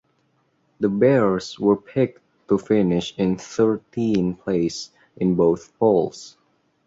The Bears were picked to finish in thirteenth place in both polls.